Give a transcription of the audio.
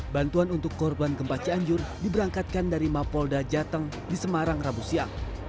bantuan untuk korban gempa cianjur diberangkatkan dari mapolda jateng di semarang rabu siang